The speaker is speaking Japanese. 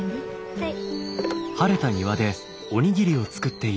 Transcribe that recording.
はい。